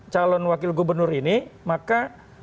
calon wakil gubernur ini maka